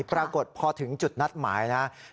ปรากฏพอถึงจุดนัดหมายนะครับ